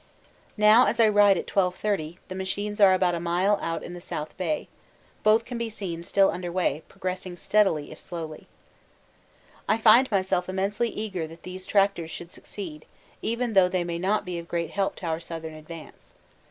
Now as I write at 12.30 the machines are about a mile out in the South Bay; both can be seen still under weigh, progressing steadily if slowly. I find myself immensely eager that these tractors should succeed, even though they may not be of great help to our southern advance.